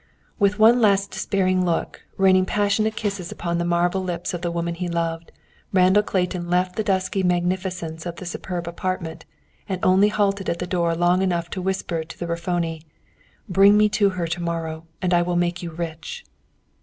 With one last despairing look, raining passionate kisses upon the marble lips of the woman he loved, Randall Clayton left the dusky magnificence of the superb apartment, and only halted at the door long enough to whisper to the Raffoni, "Bring me to her to morrow, and I will make you rich!"